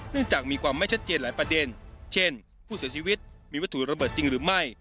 จากมีความไม่ชัดเจนหลายประเด็นเช่นผู้เสียชีวิตมีวัตถุระเบิดจริงหรือไม่